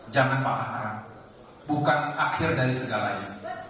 jangan pakah haram bukan akhir dari segalanya